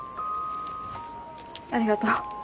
ありがとう。